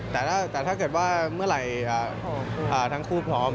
แต่ถ้าเกิดว่าเมื่อไหร่ทั้งคู่พร้อม